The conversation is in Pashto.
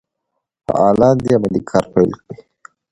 فعالان دي عملي کار پیل کړي.